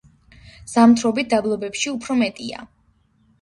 ზამთრობით დაბლობებში უფრო მეტია.